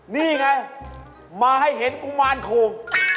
นี่ไงมาให้เห็นกุมารโคก